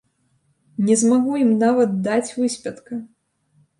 Не змагу ім нават даць выспятка!